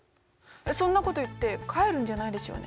そんなこと言って帰るんじゃないでしょうね？